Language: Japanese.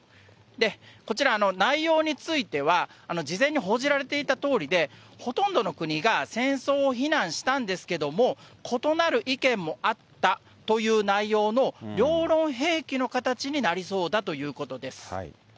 こちら、内容については事前に報じられていたとおりで、ほとんどの国が戦争を非難したんですけれども、異なる意見もあったという内容の両論併記の形になりそうだということです。